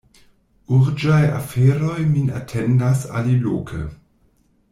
Urĝaj aferoj min atendas aliloke.